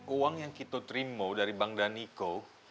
uang yang kita terima dari bang daniko